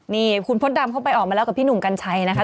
นี่คุณมดดำเข้าไปออกมาแล้วกับพี่หนุ่มกัญชัยนะคะ